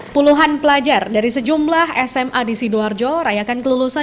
puluhan pelajar dari sejumlah sma di sidoarjo rayakan kelulusan